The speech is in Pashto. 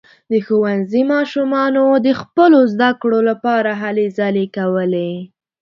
د ښوونځي ماشومانو د خپلو زده کړو لپاره هلې ځلې کولې.